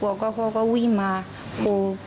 พากันนั้นก็บอกอ